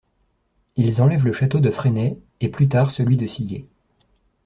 Ils enlèvent le château de Fresnay, et plus tard celui de Sillé.